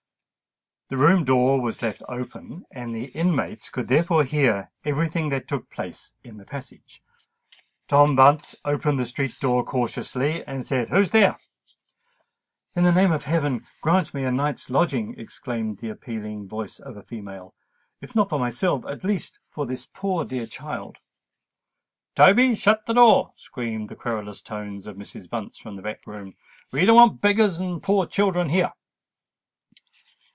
The room door was left open; and the inmates could therefore hear every thing that took place in the passage. Toby Bunce opened the street door cautiously, and said, "Who's there?" "In the name of heaven, grant me a night's lodging," exclaimed the appealing voice of a female: "if not for myself—at least for this poor dear child!" "Toby, shut the door!" screamed the querulous tones of Mrs. Bunce from the back room. "We don't want beggars and poor children here."